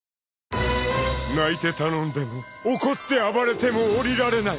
［泣いて頼んでも怒って暴れても降りられない］